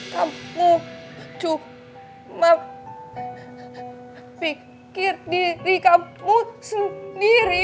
kamu cuma pikir diri kamu sendiri